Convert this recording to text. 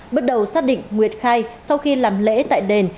bước đầu xác định nguyệt khai sau khi làm lễ tại đền